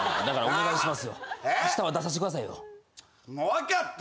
分かった！